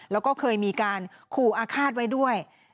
แล้วก็เคยมีการขู่อาฆาตไว้ด้วย